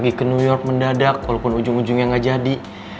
lagi ke new york mendadak walaupun ujung ujungnya gak jadi